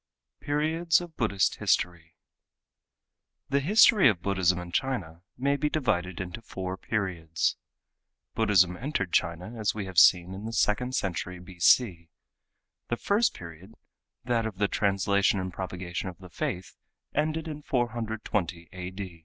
Periods of Buddhist History_ The history of Buddhism in China may be divided into four periods. Buddhism entered China, as we have seen, in the second century B.C. The first period, that of the translation and propagation of the faith, ended in 420 A.